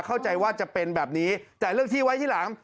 เข้าใจว่าจะเป็นแบบนี้แต่เรื่องที่ไว้ที่หลัง